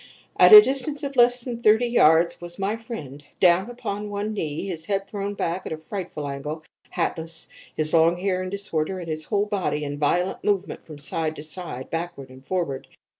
At a distance of less than thirty yards was my friend, down upon one knee, his head thrown back at a frightful angle, hatless, his long hair in disorder and his whole body in violent movement from side to side, backward and forward.